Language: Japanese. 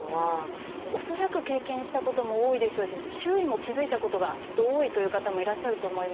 恐らく経験したことも多いでしょうし周囲も気付いたことがきっと多いという方もいらっしゃると思います。